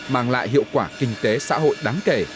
mang lại hiệu quả kinh tế xã hội đáng kể